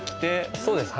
そうです。